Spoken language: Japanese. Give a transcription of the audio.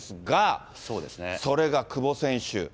それが久保選手。